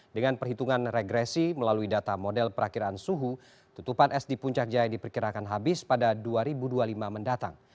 dengan perhitungan regresi melalui data model perakhiran suhu tutupan es di puncak jaya diperkirakan habis pada dua ribu dua puluh lima mendatang